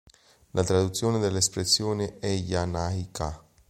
La traduzione dell’espressione “"Ee ja nai ka!